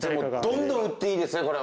どんどん撃っていいですね。